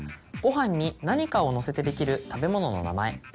ご飯に何かをのせてできる食べ物の名前。